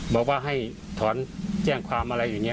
บอกว่าให้ถอนแจ้งความอะไรอย่างนี้